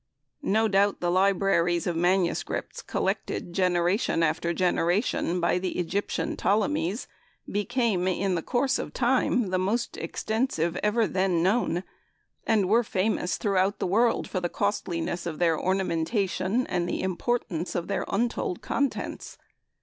No doubt the libraries of MSS. collected generation after generation by the Egyptian Ptolemies became, in the course of time, the most extensive ever then known; and were famous throughout the world for the costliness of their ornamentation, and importance of their untold contents.